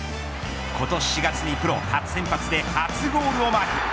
今年４月にプロ初先発で初ゴールをマーク。